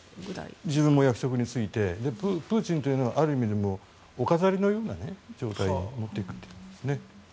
自分も役職に就いてプーチンというのはある意味でもお飾りのような状態に持っていくということです。